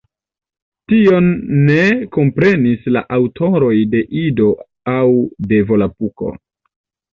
Tion ne komprenis la aŭtoroj de Ido aŭ de Volapuko.